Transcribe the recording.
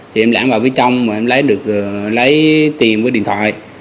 thì em lãng vào bên trong và em lấy được lấy tiền với điện thoại